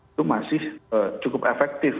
itu masih cukup efektif